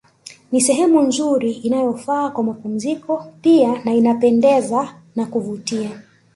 Ni sehemu nzuri inayofaa kwa mapumziko pia na inapendeza na kuvutia